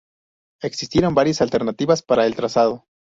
Existieron varias alternativas para el trazado.